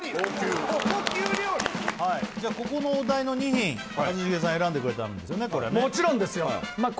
ここのお題の２品一茂さん選んでくれたんですよねもちろんですよまあ